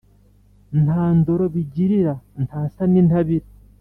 Nta ndoro bigirira, Ntasa n'intabire